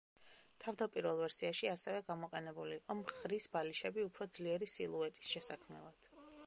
თავდაპირველ ვერსიაში ასევე გამოყენებული იყო მხრის ბალიშები უფრო ძლიერი სილუეტის შესაქმნელად.